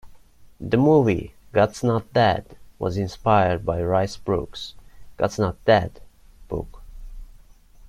The movie "God's Not Dead" was inspired by Rice Broocks' "God's Not Dead" book.